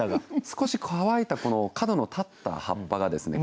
少し乾いた角の立った葉っぱがですね